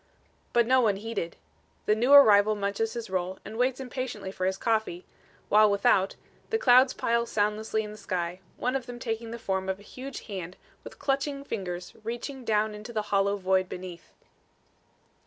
But no one heeded. The new arrival munches his roll and waits impatiently for his coffee, while without, the clouds pile soundlessly in the sky, one of them taking the form of a huge hand with clutching fingers reaching down into the hollow void beneath.